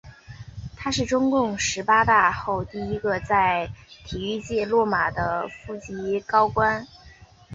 他是中共十八大后第一个在体育界落马的副部级高官。